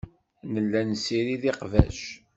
Nella nessirid iqbac.